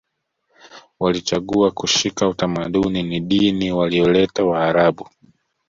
Walichagua kushika utamaduni ni dini walioleta waarabu